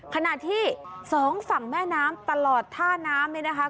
ขณะที่สองฝั่งแม่น้ำตลอดท่าน้ำ